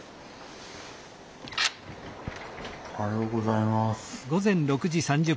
おはようございます。